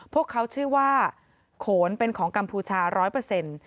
พวกเขาชื่อว่าโขนเป็นของกัมพูชาร้อยเปอร์เซ็นต์